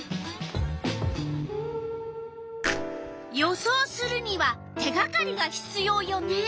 予想するには手がかりがひつようよね。